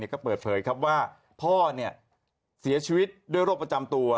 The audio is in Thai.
ก็เปิดเผยครับว่าพ่อเสียชีวิตด้วยโรคประจำตัว